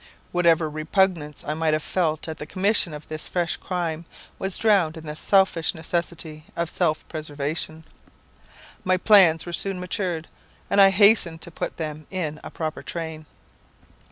Whatever repugnance I might have felt at the commission of this fresh crime, was drowned in the selfish necessity of self preservation. My plans were soon matured, and I hastened to put them in a proper train.